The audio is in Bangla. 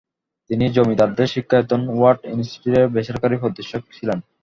তিনি জমিদারদের শিক্ষায়তন ওয়ার্ড ইনস্টিটিউটের বেসরকারি পরিদর্শক ছিলেন।